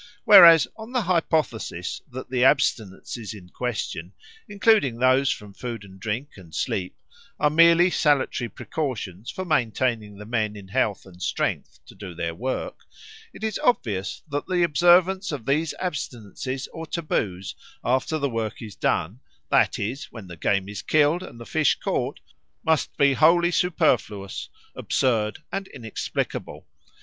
Whereas on the hypothesis that the abstinences in question, including those from food, drink, and sleep, are merely salutary precautions for maintaining the men in health and strength to do their work, it is obvious that the observance of these abstinences or taboos after the work is done, that is, when the game is killed and the fish caught, must be wholly superfluous, absurd, and inexplicable.